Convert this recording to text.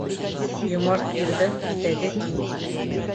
Йомарт ирҙең итәге киң.